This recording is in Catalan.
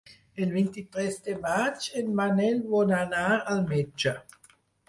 El vint-i-tres de maig en Manel vol anar al metge.